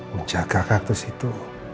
menjaga kaktus itu